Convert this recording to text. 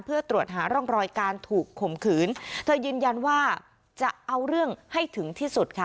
เพื่อตรวจหาร่องรอยการถูกข่มขืนเธอยืนยันว่าจะเอาเรื่องให้ถึงที่สุดค่ะ